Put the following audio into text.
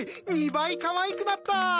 ２倍かわいくなった！